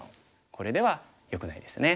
これではよくないですね。